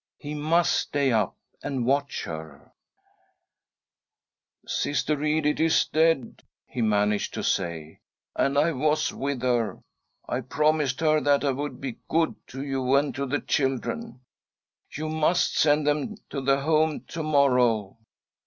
He must stay up and watch heri *' Sister Edith is dead," he managed to say, " and I was with her. I promised her that I would be good to you and to the children. You must send them to. the Home to morrow."